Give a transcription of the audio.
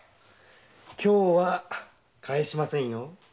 今日は帰しませんよ。